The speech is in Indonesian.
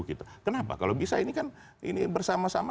kenapa kalau bisa ini kan ini bersama sama